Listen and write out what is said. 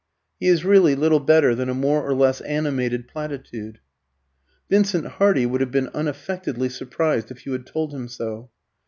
He is really little better than a more or less animated platitude. Vincent Hardy would have been unaffectedly surprised if you had told him so.